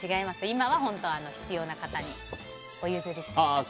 今は必要な方にお譲りしたりとか。